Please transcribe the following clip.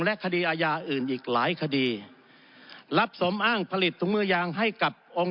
และคดีอาญาอื่นอีกหลายคดีรับสมอ้างผลิตถุงมือยางให้กับองค์